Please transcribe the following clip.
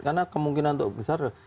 karena kemungkinan besar